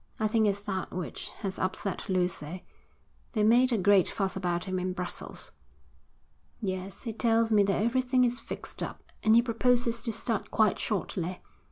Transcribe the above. I think it's that which has upset Lucy. They made a great fuss about him in Brussels.' 'Yes, he tells me that everything is fixed up, and he proposes to start quite shortly.